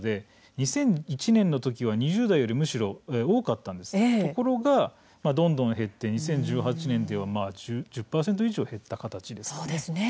２００１年は２０代より多かったのがどんどん減って２０１８年では１０％以上減った形です。